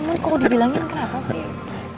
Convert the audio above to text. emang kok udah dibilangin kenapa sih